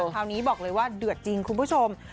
คราวนี้บอกเลยว่าเดือดจริงคุณผู้ชม